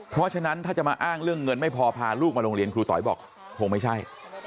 เพราะฉะนั้นถ้าจะมาอ้างเรื่องเงินไม่พอพาลูกมาโรงเรียนครูต๋อยบอกคงไม่ใช่